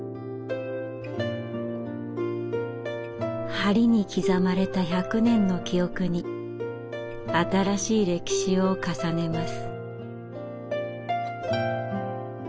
梁に刻まれた１００年の記憶に新しい歴史を重ねます。